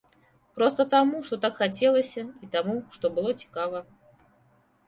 Проста таму, што так хацелася і таму, што было цікава.